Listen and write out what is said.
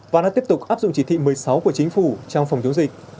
và đang tiếp tục áp dụng chỉ thị một mươi sáu của chính phủ trong phòng chống dịch